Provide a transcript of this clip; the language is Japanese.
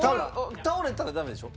倒れたらダメでしょ？